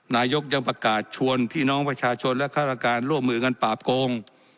นายกยังประกาศชวนพี่น้องประชาชนและฆาตการร่วมมือกันปราบโกง